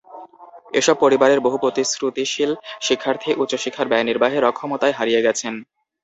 এসব পরিবারের বহু প্রতিশ্রুতিশীল শিক্ষার্থী উচ্চশিক্ষার ব্যয় নির্বাহের অক্ষমতায় হারিয়ে গেছেন।